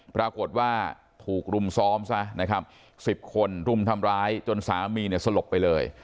ปรากฏว่าถูกรุมซ้อมซะนะครับ๑๐คนรุมทำร้ายจนสามีเนี่ยสลบไปเลย